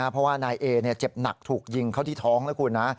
เพราะว่านายเอเจ็บหนักถูกยิงเข้าที่ท้องนะคุณนะ